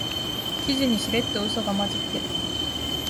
記事にしれっとウソが混じってる